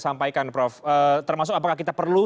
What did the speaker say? sampaikan prof termasuk apakah kita perlu